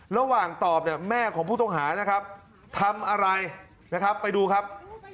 ระหว่างตอบเนี่ยแม่ของผู้ต้องหานะครับทำอะไรนะครับไปดูครับ